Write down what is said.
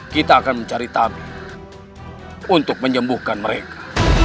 kita akan mencari tabi untuk menyembuhkan mereka